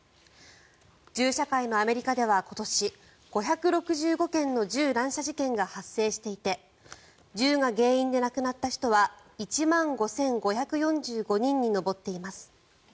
銃社会のアメリカでは今年５６５件の銃乱射事件が発生していて銃が原因で亡くなった人は１万５５４５人に上っています。